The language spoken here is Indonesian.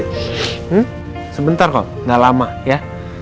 hmm sebentar kok gak lama ya